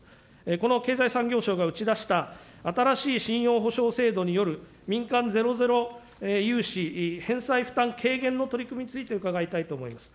この経済産業省が打ち出した、新しい信用保証制度による民間ゼロゼロ融資返済負担軽減の取り組みについて伺いたいと思います。